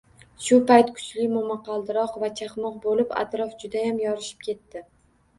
Shu payt kuchli momaqaldiroq va chaqmoq bo`lib, atrof judayam yorishib ketdi